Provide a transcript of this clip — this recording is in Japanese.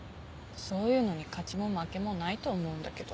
そういうのに勝ちも負けもないと思うんだけど。